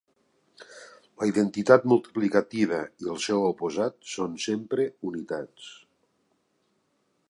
La identitat multiplicativa i el seu oposat són sempre unitats.